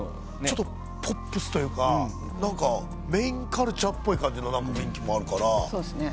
ちょっとポップスというかメインカルチャーっぽい感じの雰囲気もあるから。